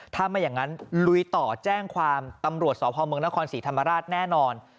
ถ้าไม่อย่างนั้นลุยต่อแจ้งความตำรวจสพเมืองนครศรีธรรมราชแน่นอน